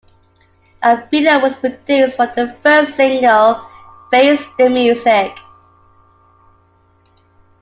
A video was produced for the first single "Face the Music".